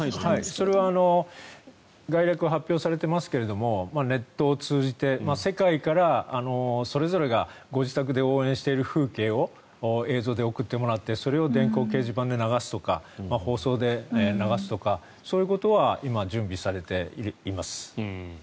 それは概略が発表されていますがネットを通じて世界からそれぞれがご自宅で応援している風景を映像で送ってもらってそれを電光掲示板で流すとか放送で流すとか、そういうことは今、準備されています。